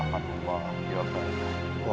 assalamualaikum warahmatullahi wabarakatuh